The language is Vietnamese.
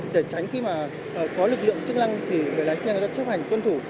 để tránh khi mà có lực lượng chức lăng thì người lái xe đã chấp hành tuân thủ